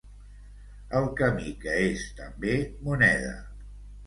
El camí que és, també, moneda.